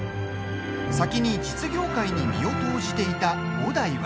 先に実業界に身を投じていた五代は。